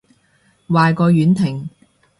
壞過婉婷